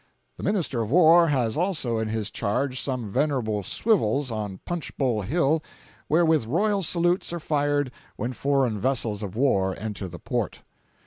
The Minister of War has also in his charge some venerable swivels on Punch Bowl Hill wherewith royal salutes are fired when foreign vessels of war enter the port.